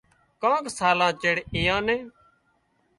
ڪانڪ سالان چيڙ ايئان نين